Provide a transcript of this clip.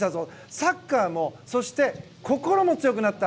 サッカーもそして心も強くなった。